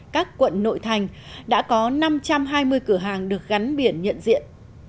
các quận nội thành đã có năm trăm hai mươi cửa hàng được gắn biển nhận diện